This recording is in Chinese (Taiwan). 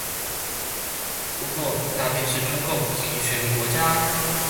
不過那邊是中共極權國家